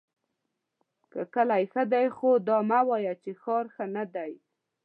که کلی ښۀ دی خو دا مه وایه چې ښار ښۀ ندی!